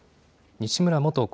西村元厚